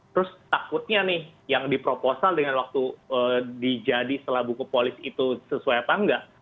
terus takutnya nih yang diproposal dengan waktu dijadi setelah buku polis itu sesuai apa enggak